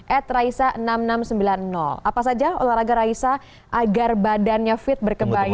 ed raisa enam ribu enam ratus sembilan puluh apa saja olahraga raisa agar badannya fit berkebaya